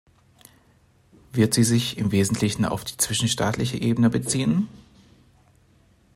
Wird sie sich im wesentlichen auf die zwischenstaatliche Ebene beziehen?